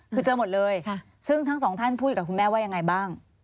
คือเจอหมดเลยซึ่งทั้งสองท่านพูดกับคุณแม่ว่ายังไงบ้าง